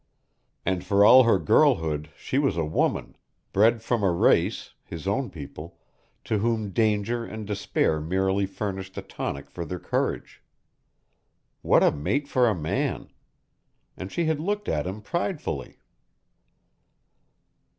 And for all her girlhood she was a woman bred from a race (his own people) to whom danger and despair merely furnished a tonic for their courage. What a mate for a man! And she had looked at him pridefully.